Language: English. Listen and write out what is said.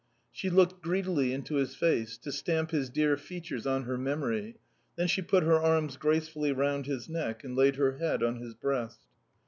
She looked greedily into his face, to stamp his dear features on her memory, then she put her arms gracefully round his neck and laid her head on his breast.